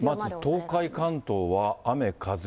東海、関東は雨、風。